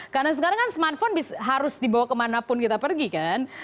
karena sekarang kan smartphone harus dibawa kemanapun kita pergi kan